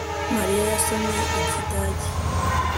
Mariya yasomye ikidage